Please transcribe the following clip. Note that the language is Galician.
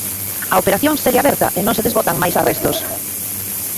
A operación segue aberta e non se desbotan máis arrestos.